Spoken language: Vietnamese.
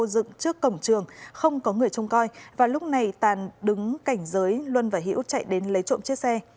dựng trước cổng trường không có người trông coi và lúc này tàn đứng cảnh giới luân và hiễu chạy đến lấy trộm chiếc xe